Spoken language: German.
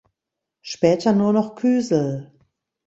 Später nur noch Küsel.